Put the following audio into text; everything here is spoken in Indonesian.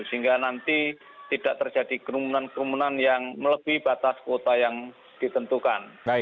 sehingga nanti tidak terjadi kerumunan kerumunan yang melebihi batas kuota yang ditentukan